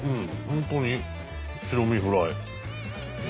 本当に白身フライ。